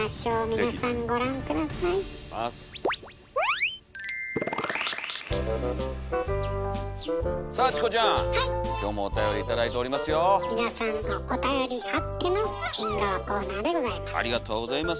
皆さんのおたよりあっての縁側コーナーでございます。